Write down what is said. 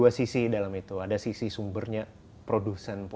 ada sisi sumbernya produsen polusinya ada sisi sumbernya produksen polusinya